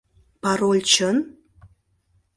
— Пароль чын?